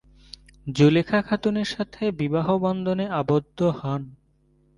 জুলেখা খাতুনের সাথে বিবাহ বন্ধনে আবদ্ধ হন।